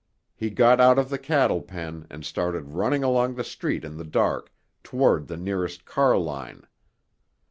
He got out of the cattle pen and started running along the street in the dark, toward the nearest car line.